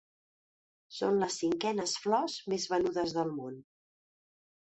Són les cinquenes flors més venudes del món.